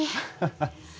ハッハハ。